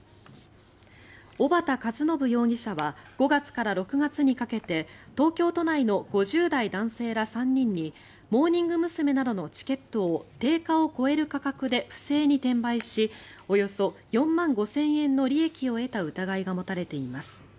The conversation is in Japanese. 小幡和伸容疑者は５月から６月にかけて東京都内の５０代男性ら３人にモーニング娘。などのチケットを定価を超える価格で不正に転売しおよそ４万５０００円の利益を得た疑いが持たれています。